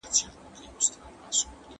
دودونه زموږ هويت ساتي.